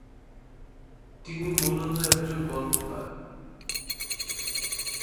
তিনি মুলত একজন গল্পকার।